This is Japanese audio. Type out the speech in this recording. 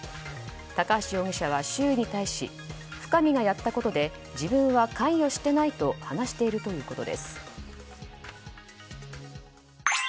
高橋容疑者は周囲に対し深見がやったことで自分は関与してないと話しているということです。